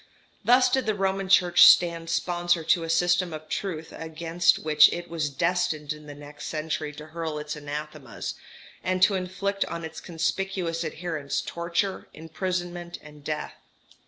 Thus did the Roman Church stand sponsor to a system of truth against which it was destined in the next century to hurl its anathemas, and to inflict on its conspicuous adherents torture, imprisonment, and death.